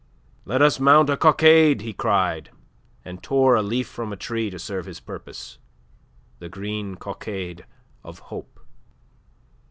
"Let us mount a cockade!" he cried, and tore a leaf from a tree to serve his purpose the green cockade of hope.